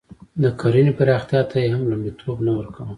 د کرنې پراختیا ته یې هم لومړیتوب نه ورکاوه.